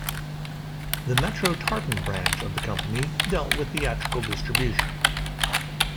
The Metro Tartan branch of the company dealt with theatrical distribution.